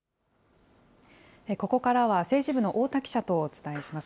ここからは政治部の太田記者とお伝えします。